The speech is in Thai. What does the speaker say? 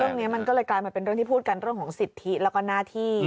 เรื่องนี้มันก็เลยกลายมาเป็นเรื่องที่พูดกันเรื่องของสิทธิแล้วก็หน้าที่